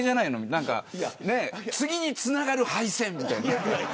次につながる敗戦みたいな。